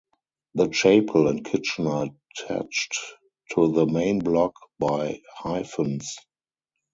The chapel and kitchen are attached to the main block by hyphens.